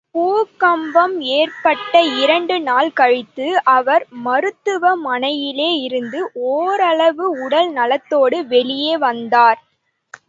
பூகம்பம் ஏற்பட்ட இரண்டு நாள் கழித்து அவர் மருத்துவ மனையிலே இருந்து ஓரளவு உடல் நலத்தோடு வெளியே வந்தார்.